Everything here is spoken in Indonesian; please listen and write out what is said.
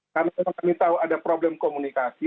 karena kami tahu ada problem komunikasi